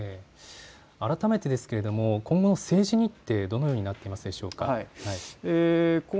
改めてですが今後、政治日程、どのようになっていますでしょうか。